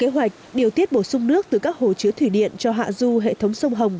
kế hoạch điều tiết bổ sung nước từ các hồ chứa thủy điện cho hạ du hệ thống sông hồng